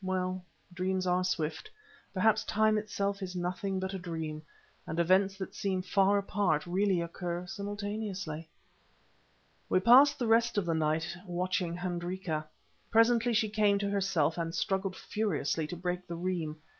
Well, dreams are swift; perhaps Time itself is nothing but a dream, and events that seem far apart really occur simultaneously. We passed the rest of the night watching Hendrika. Presently she came to herself and struggled furiously to break the reim.